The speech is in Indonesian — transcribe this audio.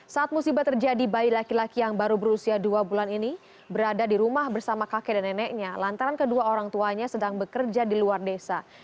saat musibah terjadi bayi laki laki yang baru berusia dua bulan ini berada di rumah bersama kakek dan neneknya lantaran kedua orang tuanya sedang bekerja di luar desa